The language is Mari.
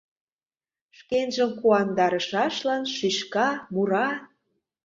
Шкенжым куандарышашлан шӱшка, мура.